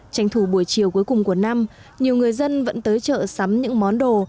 tranh thủ buổi chiều cuối cùng của năm nhiều người dân vẫn tới chợ sắm những món đồ